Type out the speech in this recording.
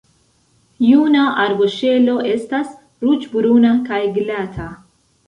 Juna arboŝelo estas ruĝ-bruna kaj glata.